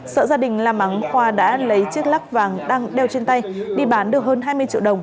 sợ gia đình làm mắng khoa đã lấy chiếc lắc vàng đang đeo trên tay đi bán được hơn hai mươi triệu đồng